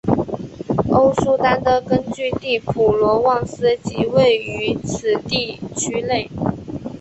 欧舒丹的根据地普罗旺斯即位于此地区内。